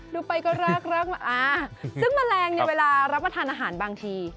ดูไปก็เลิกซึ่งแมลงเวลารับมาทานอาหารบางที